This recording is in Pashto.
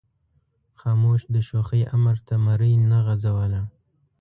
خاموش د شوخۍ امر ته مرۍ نه غځوله.